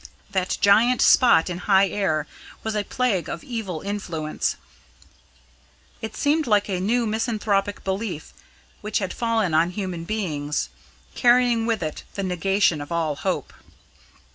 That giant spot in high air was a plague of evil influence. It seemed like a new misanthropic belief which had fallen on human beings, carrying with it the negation of all hope.